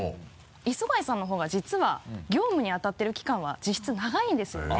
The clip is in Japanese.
磯貝さんのほうが実は業務にあたってる期間は実質長いんですよね。